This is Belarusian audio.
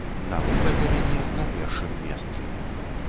Навука для мяне на першым месцы.